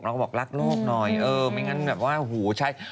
เราก็บอกรักโลกหน่อยเออไม่งั้นแบบว่าหูใช่